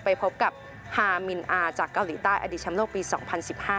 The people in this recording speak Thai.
ไปพบกับฮามินอาร์จากเกาหลีใต้อดีตแชมป์โลกปีสองพันสิบห้า